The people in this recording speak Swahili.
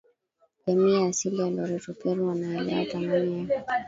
jamii ya asili ya Loreto Peru wanaelewa thamani ya